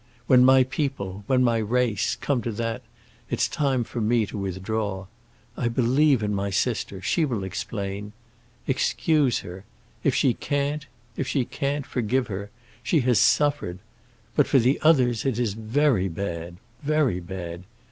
When my people—when my race—come to that, it is time for me to withdraw. I believe in my sister; she will explain. Excuse her. If she can't—if she can't, forgive her. She has suffered. But for the others it is very bad—very bad.